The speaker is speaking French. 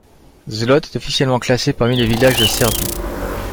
Zlot est officiellement classé parmi les villages de Serbie.